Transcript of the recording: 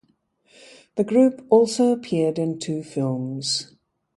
The group also appeared in two films.